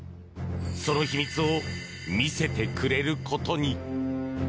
その秘密を見せてくれることに。